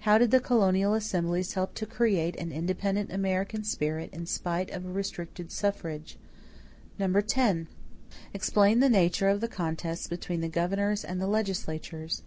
How did the colonial assemblies help to create an independent American spirit, in spite of a restricted suffrage? 10. Explain the nature of the contests between the governors and the legislatures.